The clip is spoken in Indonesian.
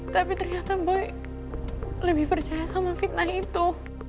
tapi ternyata bu lebih percaya sama fitnah itu